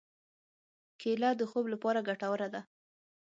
کېله د خوب لپاره ګټوره ده.